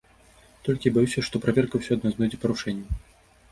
Толькі я баюся, што праверка ўсё адно знойдзе парушэнні.